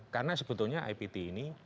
karena sebetulnya ipt ini